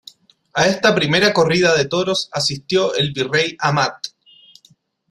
A esta primera corrida de toros asistió el virrey Amat.